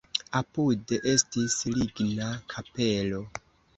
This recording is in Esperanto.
Apude estis ligna kapelo.